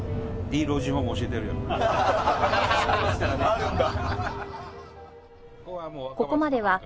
あるんだ。